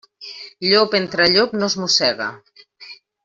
Llop entre llop no es mossega.